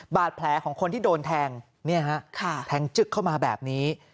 บาดแผลของคนที่โดนแทงแทงจึ๊กเข้ามาแบบนี้